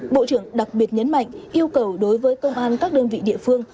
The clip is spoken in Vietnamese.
bộ trưởng đặc biệt nhấn mạnh yêu cầu đối với công an các đơn vị địa phương